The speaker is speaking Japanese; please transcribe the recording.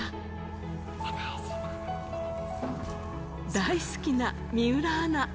大好きな水卜アナ。